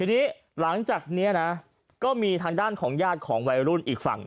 ทีนี้หลังจากนี้นะก็มีทางด้านของญาติของวัยรุ่นอีกฝั่ง